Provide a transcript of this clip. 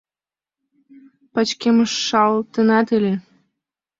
Пычкемышалтынат ыле.